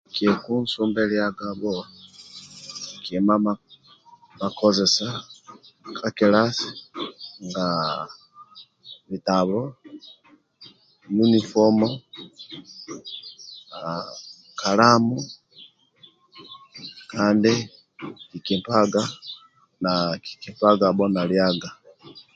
Kikunsumbiliagabho kima ma kozesa ka kilasi nga bitabo, uniform, aah kalamu kandi nkipaga na kikipagabho na liaga.